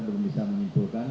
belum bisa menyimpulkan